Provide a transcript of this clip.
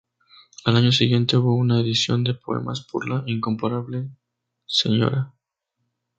Al año siguiente hubo una edición de "Poemas por la Incomparable Sra.